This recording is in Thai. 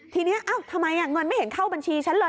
ทีนี้ทำไมเงินไม่เห็นเข้าบัญชีฉันเลย